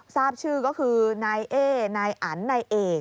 ทราบชื่อก็คือนายเอ๊นายอันนายเอก